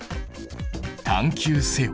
探究せよ！